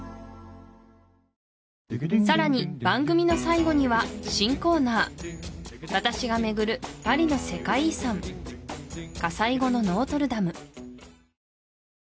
さらに番組の最後には新コーナー私が巡るパリの世界遺産火災後のノートルダム